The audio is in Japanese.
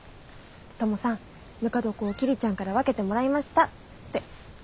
トモさんぬか床を桐ちゃんから分けてもらいましたって。